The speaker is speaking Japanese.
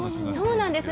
そうなんです。